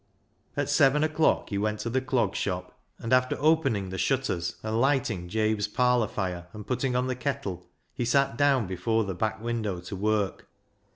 At seven o'clock he went to the Clog Shop, and after opening the shutters and lighting Jabe's parlour fire and putting on the kettle, he sat down before the back window to work.